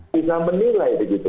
bisa menilai begitu